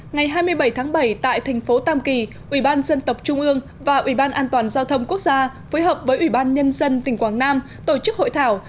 ngày hai mươi bảy tháng bảy tại thành phố tam kỳ ủy ban dân tộc trung ương và ủy ban an toàn giao thông quốc gia phối hợp với ủy ban nhân dân tỉnh quảng nam tổ chức hội thảo